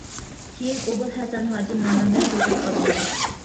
كېيىن ئوبۇلھەسەن ھاجىم نامى بىلەن شۆھرەت قازىنىدۇ.